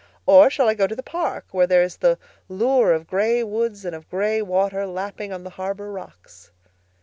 Or shall I go to the park, where there is the lure of gray woods and of gray water lapping on the harbor rocks?"